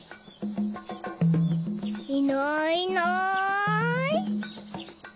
いないいない。